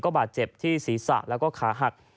บาดเจ็บที่ศีรษะแล้วก็ขาหัก